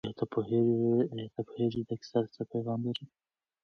آیا ته پوهېږې چې دا کیسه څه پیغام لري؟